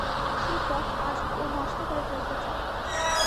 সেই পট আজ ও নষ্ট করে ফেলতে চায়।